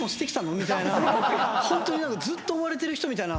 みたいな、ずっと追われてる人みたいな。